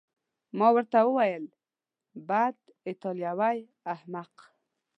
ما ورته وویل: بد، ایټالوی احمق.